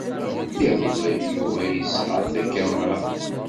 Iḍelli, Yuba yesɣa-d takamra.